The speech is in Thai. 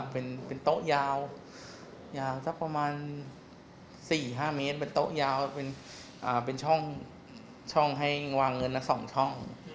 เป็นโต๊ะยาวยาวสักประมาณ๔๕เมตรเป็นโต๊ะยาวเป็นช่องให้วางเงินละ๒ช่อง